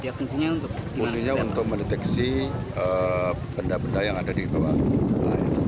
usinya untuk mendeteksi benda benda yang ada di bawah air